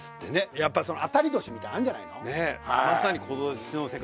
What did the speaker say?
やっぱり当たり年みたいなのあるんじゃないの？